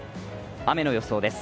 雨の予想です。